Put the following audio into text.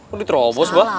udah terobos bah